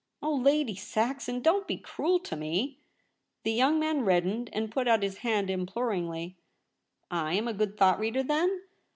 * Oh, Lady Saxon, don't be cruel to me !' The younor man reddened, and put out his hand imploringly. * I am a good thought reader, then